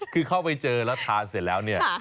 คือเข้าไปเจอแล้วทานเสร็จแล้วเนี่ย